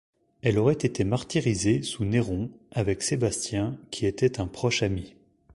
Elle aurait été martyrisée sous Néron avec Sébastien qui était un proche ami.